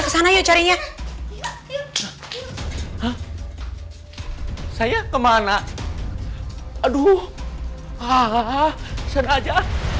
kesana yuk carinya saya kemana aduh hahaha senaja